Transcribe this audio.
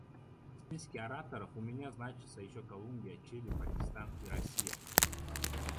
В списке ораторов у меня значатся еще Колумбия, Чили, Пакистан и Россия.